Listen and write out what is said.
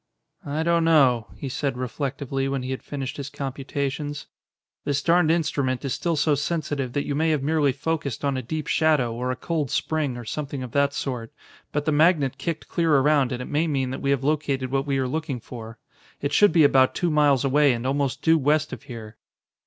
"I don't know," he said reflectively when he had finished his computations. "This darned instrument is still so sensitive that you may have merely focused on a deep shadow or a cold spring or something of that sort, but the magnet kicked clear around and it may mean that we have located what we are looking for. It should be about two miles away and almost due west of here."